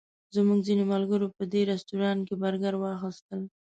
زموږ ځینو ملګرو په دې رسټورانټ کې برګر واخیستل.